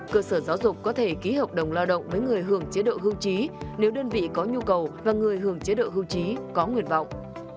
cơ sở giáo dục có thể ký hợp đồng lao động với người hưởng chế độ hưu trí nếu đơn vị có nhu cầu và người hưởng chế độ hưu trí có nguyện vọng